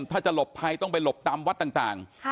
ถ้าจะหลบภัยต้องไปหลบตามวัดต่าง